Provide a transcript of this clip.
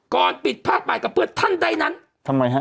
ก่อนปิดภาคบ่ายกับเพื่อนท่านใดนั้นทำไมฮะ